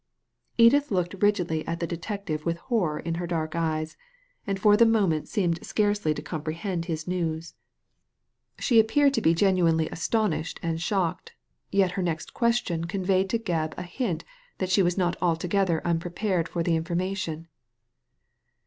Edith looked rigidly at the detective with horror in her dark eyes, and for the moment seemed scarcely to Digitized by Google 92 THE LADY FROM NOWHERE comprehend his news. She appeared to be genuinely astonished and shocked ; yet her next question con veyed to Gebb a hint that she was not altogether unprepared for the information.